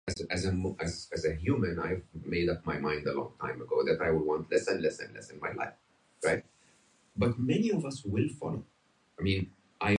There is a fifth production each summer.